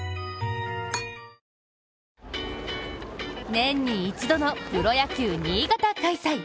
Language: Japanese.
年に一度のプロ野球新潟開催。